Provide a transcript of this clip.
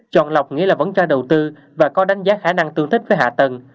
chọn lọc nghĩa là vẫn cho đầu tư và có đánh giá khả năng tương thích với hạ tầng